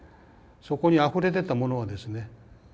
そこにあふれ出たものはですね